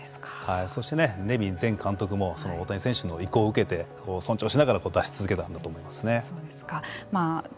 そして、ネビン前監督もその大谷選手の意向を受けて尊重しながら出し続けたんだと思いますよね。